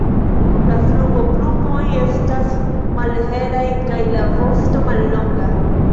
La flugoplumoj estas malhelaj kaj la vosto mallonga.